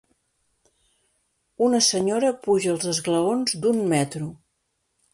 Una senyora puja els esglaons d'un metro.